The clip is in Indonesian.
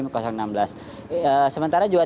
sementara juga tidak bisa dikontrol